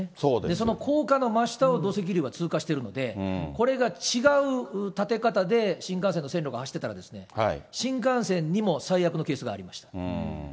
その高架の真下を土石流が通過しているので、これが違う建て方で新幹線の線路が走ってたらですね、新幹線にも最悪のケースがありました。